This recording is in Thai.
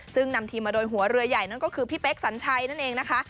ซึ่งนำทีมมาโดยหัวเรือใหญ่นั่นก็คือพี่เป๊กสัญชัยนั่นเองนะคะ